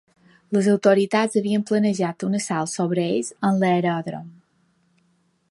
Les autoritats havien planejat un assalt sobre ells en l'aeròdrom.